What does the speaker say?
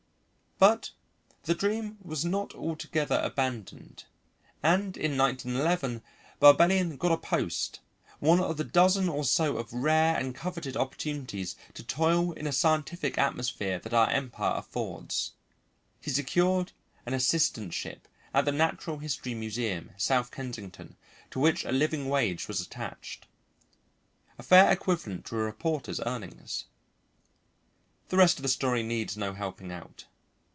But the dream was not altogether abandoned, and in 1911 Barbellion got a post, one of the dozen or so of rare and coveted opportunities to toil in a scientific atmosphere that our Empire affords; he secured an assistantship at the Natural History Museum, South Kensington, to which a living wage was attached, a fair equivalent to a reporter's earnings. The rest of the story needs no helping out.